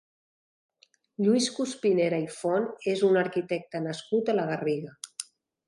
Lluís Cuspinera i Font és un arquitecte nascut a la Garriga.